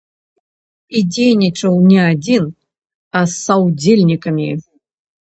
І дзейнічаў не адзін, а з саўдзельнікамі.